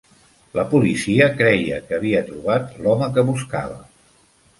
La policia creia que havia trobat l'home que buscava.